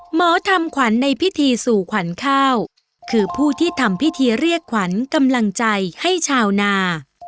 หมอทำขวัญในพิธีสู่ขวัญข้าวคือผู้ที่ทำพิธีเรียกขวัญกำลังใจให้ชาวนา